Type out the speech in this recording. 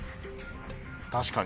確かに。